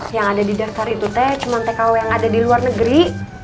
yang ada di daftar itu t cuma tkw yang ada di luar negeri